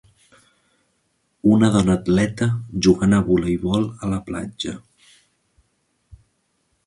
Una dona atleta jugant a voleibol a la platja.